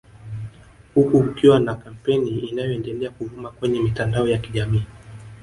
Huku kukiwa na kampeni inayoendelea kuvuma kwenye mitandao ya kijamii